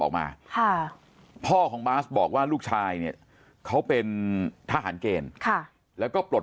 ออกมาค่ะพ่อของบาสบอกว่าลูกชายเนี่ยเขาเป็นทหารเกณฑ์แล้วก็ปลด